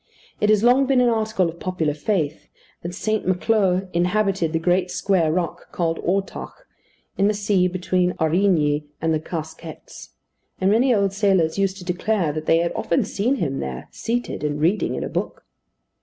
It has long been an article of popular faith, that Saint Maclou inhabited the great square rock called Ortach, in the sea between Aurigny and the Casquets; and many old sailors used to declare that they had often seen him there, seated and reading in a book.